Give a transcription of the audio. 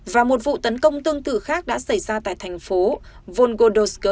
và một vụ tấn công tương tự khác đã xảy ra tại thành phố volgodosk